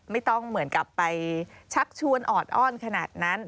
ไม่ต้องเหมือนกับไปชักชวนออดอ้อนขนาดนั้น